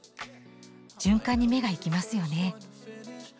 循環に目が行きますよね。